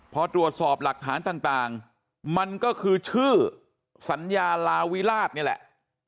พอตรวจสอบหลักฐานต่างมันก็คือชื่อสัญญาลาวิราชนี่แหละ